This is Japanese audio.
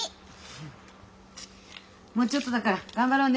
もうちょっとだから頑張ろうね。